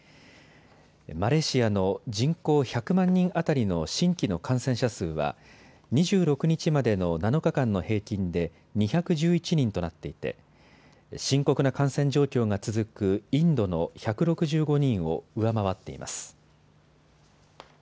マレーシアの人口１００万人当たりの新規の感染者数は２６日までの７日間の平均で２１１人となっていて深刻な感染状況が続くインドの１６５人を上回っています。